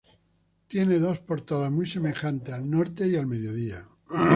Tiene dos portadas muy semejantes al norte y al mediodía.